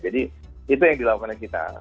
jadi itu yang dilakukan kita